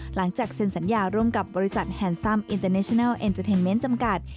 หลังจากเซ็นสัญญาร่วมกับบริษัทแฮนซัมอินเตอร์เนชนัลเอ็นเตอร์เทนเมนต์จำกัด